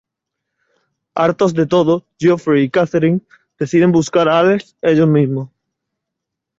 Hartos de todo, Geoffrey y Catherine deciden buscar a Alex ellos mismos.